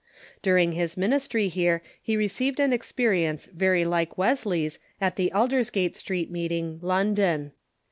During his min istry here he received an experience very like Wesley's at the Aldersgate Street meeting, London.